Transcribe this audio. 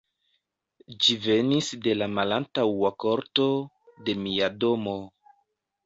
Ĝi venis de la malantaŭa korto, de mia domo.